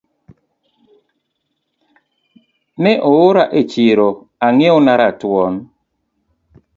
Ne oora e chiro ing'iew na ratuon